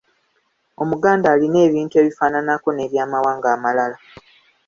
Omuganda alina ebintu ebifaananako n'eby'amawanga amalala.